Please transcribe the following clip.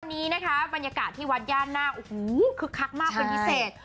วันนี้บรรยากาศที่วัดย่านหน้าคึกคักมากเป็นพิเศษ